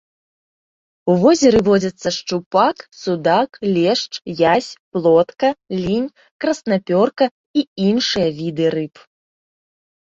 У возеры водзяцца шчупак, судак, лешч, язь, плотка, лінь, краснапёрка і іншыя віды рыб.